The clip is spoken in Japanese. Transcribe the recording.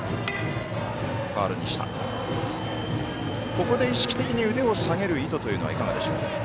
ここで意識的に腕を下げる意図というのはいかがでしょう？